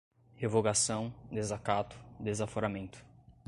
revogação, desacato, desaforamento